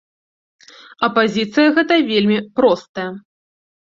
А пазіцыя гэта вельмі простая.